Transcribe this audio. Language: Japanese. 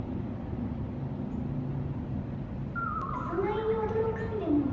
そないにおどろかんでも。